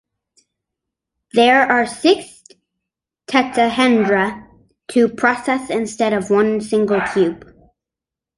There are six tetrahedra to process instead of one single cube.